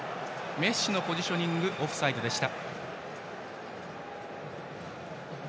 メッシのポジショニングがオフサイドでした。